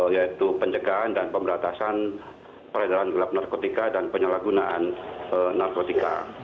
yaitu penjagaan dan pemberatasan peredaran gelap narkotika dan penyelagunaan narkotika